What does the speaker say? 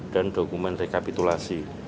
dan dokumen rekapitulasi